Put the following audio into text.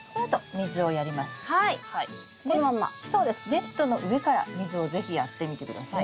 ネットの上から水を是非やってみて下さい。